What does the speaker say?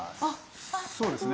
そうですね。